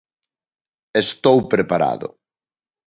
Estou preparado.